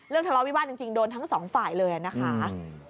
ทะเลาะวิวาสจริงโดนทั้งสองฝ่ายเลยนะคะ